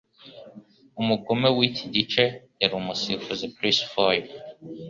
Umugome wiki gice yari umusifuzi Chris Foy.